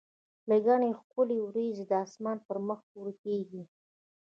لکه ګڼي ښکلي وریځي د اسمان پر مخ ورکیږي